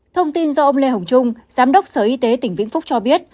thông tin do ông lê hồng trung giám đốc sở y tế tỉnh vĩnh phúc cho biết